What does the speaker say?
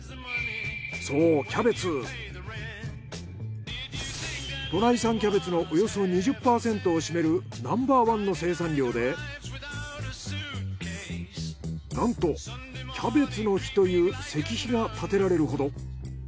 そう都内産キャベツのおよそ２０％を占めるナンバーワンの生産量でなんとキャベツの碑という石碑が建てられるほど。